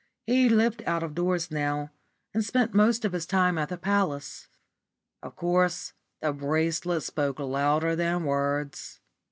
He lived out of doors now, and spent most of his time at the Palace. Of course the bracelet spoke louder than words.